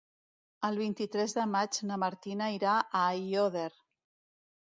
El vint-i-tres de maig na Martina irà a Aiòder.